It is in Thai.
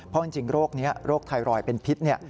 เพราะจริงโรคนี้โรคไทรอยด์เป็นพิษ